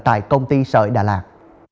tại công ty sở đà lạt